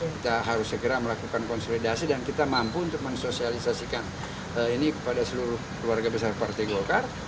kita harus segera melakukan konsolidasi dan kita mampu untuk mensosialisasikan ini kepada seluruh keluarga besar partai golkar